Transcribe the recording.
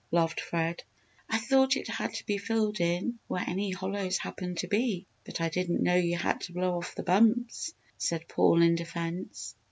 laughed Fred. "I thought it had to be filled in where any hollows happened to be but I didn't know you had to blow off the bumps!" said Paul, in defence.